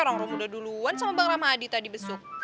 rang rang udah duluan sama bang rama adi tadi besok